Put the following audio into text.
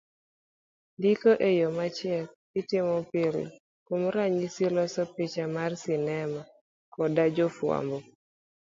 Ndiko e yo machiek itomo pile kuom ranyisi loso picha mar sinema koda jofuambo.